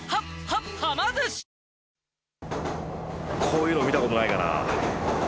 こういうの見た事ないかなあ？